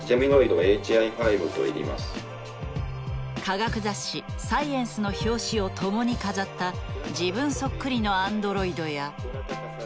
科学雑誌「Ｓｃｉｅｎｃｅ」の表紙を共に飾った自分そっくりのアンドロイドや。